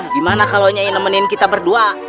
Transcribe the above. gimana kalo nyai nemenin kita berdua